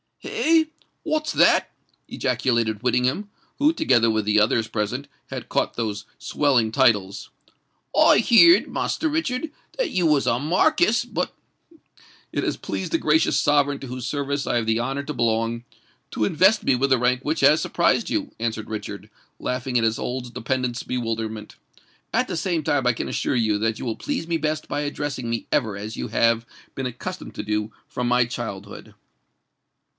"Hey! what's that?" ejaculated Whittingham, who, together with the others present, had caught those swelling titles. "I heerd, Master Richard, that you was a Markiss; but——" "It has pleased the gracious sovereign to whose service I have the honour to belong, to invest me with the rank which has surprised you," answered Richard, laughing at his old dependant's bewilderment: "at the same time I can assure you that you will please me best by addressing me ever as you have been accustomed to do from my childhood."